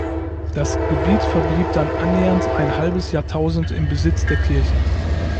Das Gebiet verblieb dann annähernd ein halbes Jahrtausend im Besitz der Kirche.